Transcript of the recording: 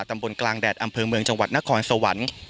ตำบลกลางแดดอำเภอเมืองจังหวัดนครสวรรค์